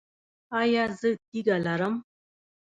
ایا زه تیږه لرم؟